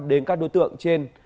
với các đối tượng trên